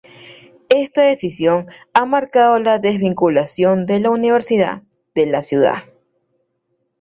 Esta decisión ha marcado la desvinculación de la universidad de la ciudad.